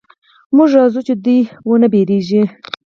موږ راځو چې دوئ ونه وېرېږي.